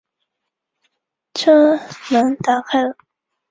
车门打开了